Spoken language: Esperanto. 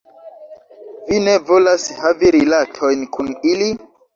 Vi ne volas havi rilatojn kun ili?